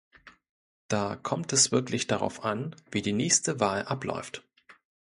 Da kommt es wirklich darauf an, wie die nächste Wahl abläuft.